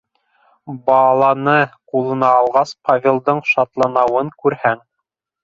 Баланы ҡулына алғас Павелдың шатланыуын күрһәң!